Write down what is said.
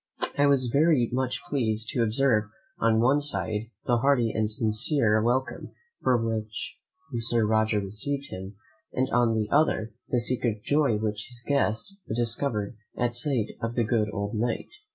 I was very much pleased to observe on one side the hearty and sincere welcome with which Sir Roger received him, and on the other, the secret joy which his guest discover'd at sight of the good old Knight.